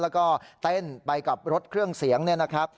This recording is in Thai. แล้วก็เต้นไปกับรถเครื่องเสียงเนี่ยนะครับ